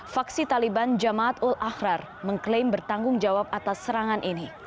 faksi taliban jamaatul akhrar mengklaim bertanggung jawab atas serangan ini